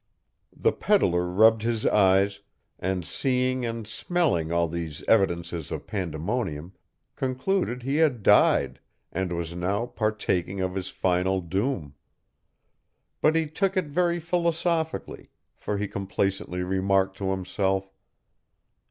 The peddler rubbed his eyes, and seeing and smelling all these evidences of pandemonium, concluded he had died, and was now partaking of his final doom. But he took it very philosophically, for he complacently remarked to himself.